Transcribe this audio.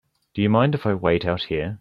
Do you mind if I wait out here?